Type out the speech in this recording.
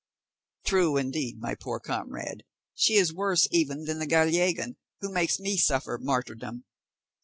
"True, indeed, my poor comrade; she is worse even than the Gallegan who makes me suffer martyrdom.